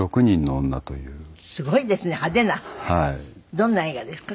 どんな映画ですか？